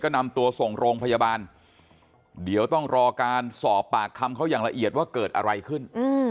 นำตัวส่งโรงพยาบาลเดี๋ยวต้องรอการสอบปากคำเขาอย่างละเอียดว่าเกิดอะไรขึ้น